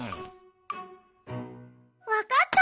わかった！